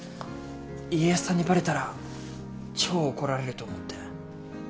家康さんにバレたら超怒られると思って。